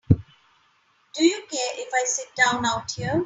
Do you care if I sit down out here?